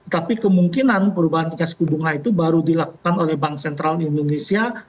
tapi kemungkinan perubahan tingkat suku bunga itu baru dilakukan oleh bank sentral di indonesia